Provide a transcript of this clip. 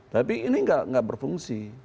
tapi ini tidak berfungsi